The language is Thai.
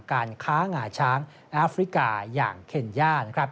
การค้างหงาช้างแอฟริกาอย่างเคนย่าน